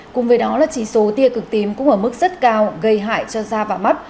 cùng với đó là chỉ số tia cực tím cũng ở mức rất cao gây hại cho da và mắt